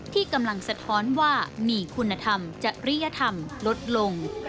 ที่กำลังสะท้อนว่ามีคุณธรรมจริยธรรมลดลง